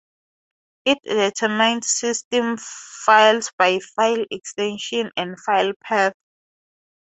It determined system files by file extension and file path.